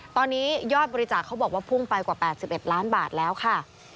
ตอนนี้ยอดบริจาคเขาบอกว่าพุ่งไปกว่า๘๑ล้านบาทแล้วค่ะ